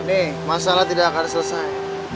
ini masalah tidak akan selesai